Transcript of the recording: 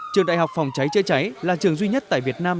trường đại học phòng cháy chữa cháy là trường duy nhất tại việt nam